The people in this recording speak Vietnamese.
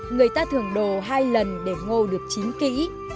người ta thưởng đồ hai lần để ngô được chín kỹ